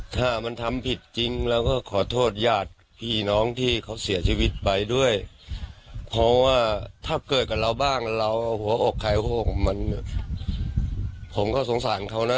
ถ้ามันทำผิดจริงเราก็ขอโทษญาติพี่น้องที่เขาเสียชีวิตไปด้วยเพราะว่าถ้าเกิดกับเราบ้างเราหัวอกใครก็คงมันผมก็สงสารเขานะ